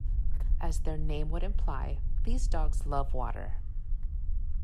As their name would imply these dogs love water.